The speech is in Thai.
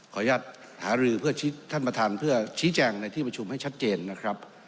อนุญาตหารือเพื่อท่านประธานเพื่อชี้แจงในที่ประชุมให้ชัดเจนนะครับ